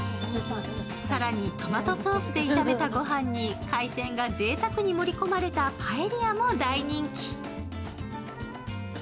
更に、トマトソースで炒めたごはんに海鮮が贅沢に盛り込まれたパエリアも大人気。